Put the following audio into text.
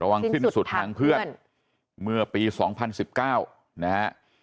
หวังสิ้นสุดทางเพื่อนเมื่อปี๒๐๑๙นะฮะ